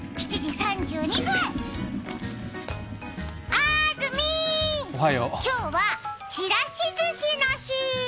あーずみー、今日はちらしずしの日。